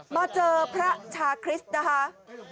มาเจอพระชาคริสต์นะคะ